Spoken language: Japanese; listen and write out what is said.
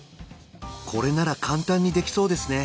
これなら簡単にできそうですね